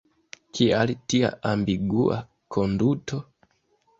Kial tia ambigua konduto?